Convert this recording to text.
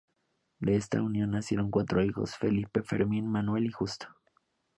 De esta unión nacieron cuatro hijos: Felipe, Fermín, Manuel y Justo.